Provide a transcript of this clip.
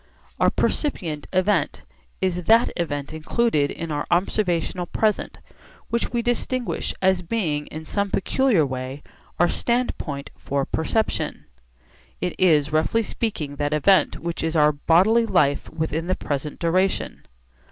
Our 'percipient event' is that event included in our observational present which we distinguish as being in some peculiar way our standpoint for perception. It is roughly speaking that event which is our bodily life within the present duration.